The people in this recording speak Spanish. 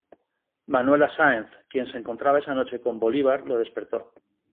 Manuela Sáenz quien se encontraba esa noche con Bolívar lo despertó.